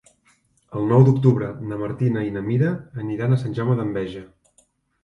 El nou d'octubre na Martina i na Mira aniran a Sant Jaume d'Enveja.